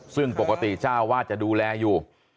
ซึ่งปกติชาวบ้านจะดูแลอยู่